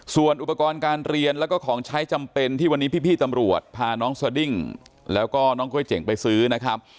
ส่วนอุปกรณ์การเรียนแล้วก็ของใช้จำเป็นที่วันนี้พี่ตำรวจพาน้องสดิ้งแล้วก็น้องกล้วยเจ๋งไปซื้อนะครับ